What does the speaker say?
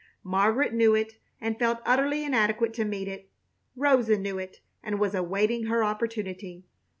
Margaret knew it and felt utterly inadequate to meet it. Rosa knew it and was awaiting her opportunity.